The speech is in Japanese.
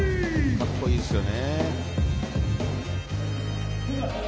格好いいですよね。